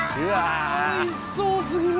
おいしそうすぎる！